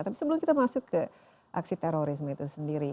tapi sebelum kita masuk ke aksi terorisme itu sendiri